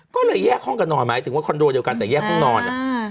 ก็เลยแยกห้องกันนอนหมายถึงว่าคอนโดเดียวกันแต่แยกห้องนอน